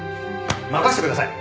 任せてください。